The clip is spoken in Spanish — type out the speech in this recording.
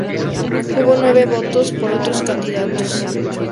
Hubo nueve votos por otros candidatos.